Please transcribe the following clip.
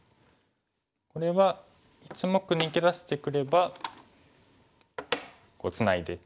これは１目逃げ出してくればツナいで。